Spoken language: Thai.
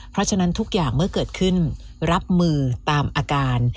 เพราะฉะนั้นทุกอย่างเมื่อเกิดขึ้นรับมือตามอาการ